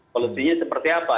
polusinya seperti apa